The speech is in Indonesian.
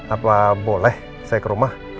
apa boleh saya ke rumah